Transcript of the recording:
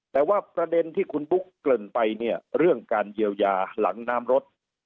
แต่ว่าประเด็นที่คุณบุ๊กเกริ่นไปเนี่ยเรื่องการเยียวยาหลังน้ำรถ